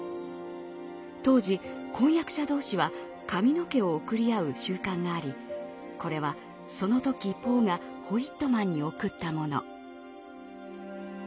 当時婚約者同士は髪の毛を贈り合う習慣がありこれはその時ポーがホイットマンに贈ったもの。